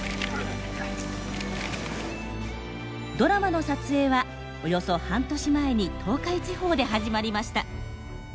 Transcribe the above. ドラマの撮影はおよそ半年前に東海地方で始まりました。